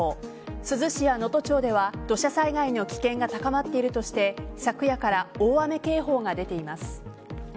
珠洲市や能登町では土砂災害の危険が高まっているとして昨夜から大雨警報が出ています。